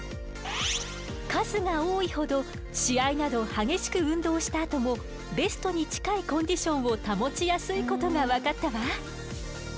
数が多いほど試合など激しく運動したあともベストに近いコンディションを保ちやすいことが分かったわ。